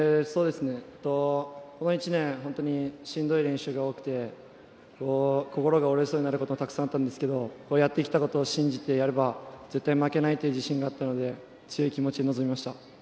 この１年本当にしんどい練習が多くて心が折れそうになることがたくさんあったんですがやってきたことを信じてやれば絶対に負けないという自信があったので強い気持ちで臨みました。